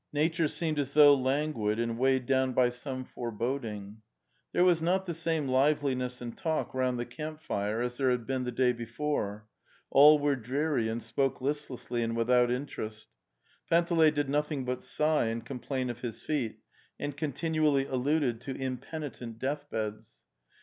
Nature seemed as though languid and weighed down by some foreboding. There was not the same liveliness and talk round the camp fire as there had been the day before. All were dreary and spoke listlessly and without interest. Panteley did nothing but sigh and complain of his feet, and continually alluded to impenitent death beds.